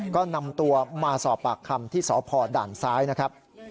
ก็นำตัวมาสอบปากคำที่สพด่านซ้ายนะครับ